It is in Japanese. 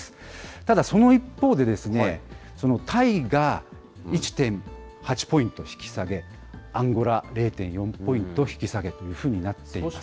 ただその一方で、タイが１．８ポイント引き下げ、アンゴラ０．４ポイント引き下げというふうになっています。